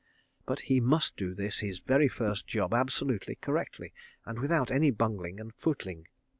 But he must do this, his very first job, absolutely correctly, and without any bungling and footling.